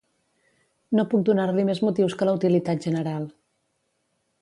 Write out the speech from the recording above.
No puc donar-li més motius que la utilitat general.